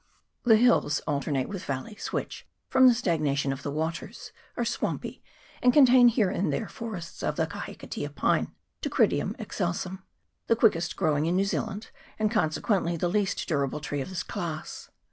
The hills alternate with valleys, which, from the stagnation of the waters, are swampy, and contain here and there forests of the kahikatea pine (Dacrydium excelsum), the quickest growing in New Zealand, and consequently the least durable tree of this class.